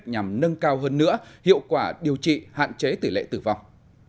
nhằm nâng cao hơn nữa hiệu quả điều trị hạn chế tỷ lệ tử vong